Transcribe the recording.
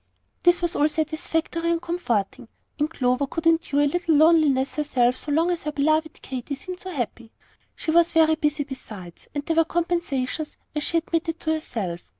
This was all satisfactory and comforting; and Clover could endure a little loneliness herself so long as her beloved Katy seemed so happy. She was very busy besides, and there were compensations, as she admitted to herself.